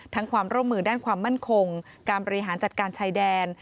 ความร่วมมือด้านความมั่นคงการบริหารจัดการชายแดน